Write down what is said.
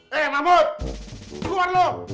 hei mahmud keluar lu